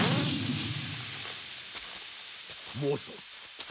モソ。